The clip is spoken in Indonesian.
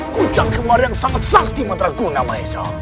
kucang kembar yang sangat sakti madraguna maesha